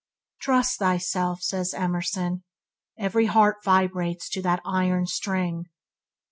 "Trust thyself", says Emerson, 'every heart vibrates to that iron string".